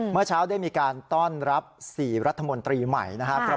เมื่อเช้าได้มีการต้อนรับ๔รัฐมนตรีใหม่นะครับ